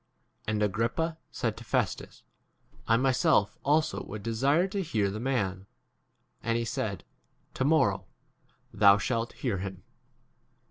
And Agrippa said to Festus, I myself also would desire to hear the man. And he said, To morrow £ thou shalt hear him.